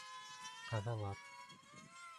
Ҡаҙалар.